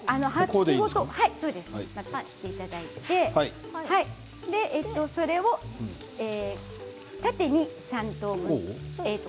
切っていただいてそれを縦に３等分。